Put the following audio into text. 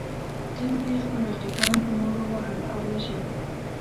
تل به یې خپل رقیبان په نورو وهل او وژل.